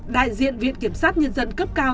đại diện viện kiểm sát nhân dân cấp cao